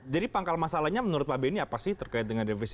jadi pangkal masalahnya menurut pak benny apa sih terkait dengan defisit